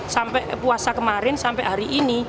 sampai puasa kemarin sampai hari ini